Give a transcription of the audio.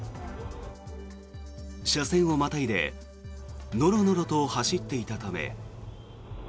車線をまたいでノロノロと走っていたため。